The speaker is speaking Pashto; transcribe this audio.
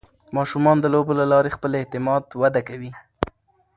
ماشومان د لوبو له لارې خپل اعتماد وده کوي.